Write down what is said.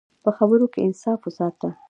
په خبرو کې انصاف وساته.